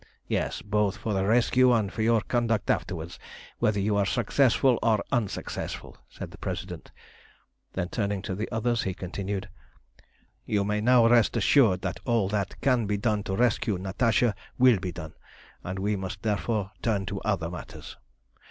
"Yes, both for the rescue and for your conduct afterwards, whether you are successful or unsuccessful," said the President. Then turning to the others he continued "You may now rest assured that all that can be done to rescue Natasha will be done, and we must therefore turn to other matters.